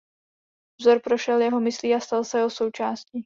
Vzor prošel jeho myslí a stal se jeho součástí.